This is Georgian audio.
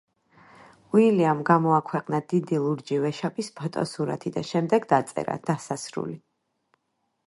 იულიამ გამოაქვეყნა დიდი ლურჯი ვეშაპის ფოტოსურათი და შემდეგ დაწერა „დასასრული“.